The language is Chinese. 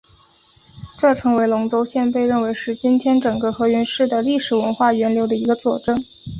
这成为龙川县被认为是今天整个河源市的历史文化源流的一个佐证。